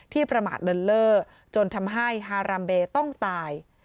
ที่ประมาทเลิศเลิศจนทำให้ฮารัมเบต้องตาย